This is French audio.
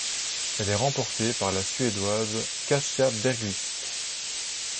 Elle est remportée par la Suédoise Kajsa Bergqvist.